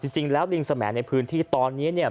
จริงแล้วลิงสมัยในพื้นที่ตอนนี้เนี่ย